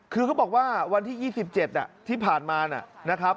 คือเขาบอกว่าวันที่๒๗ที่ผ่านมานะครับ